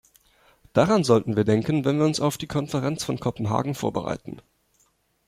Daran sollten wir denken, wenn wir uns auf die Konferenz von Kopenhagen vorbereiten.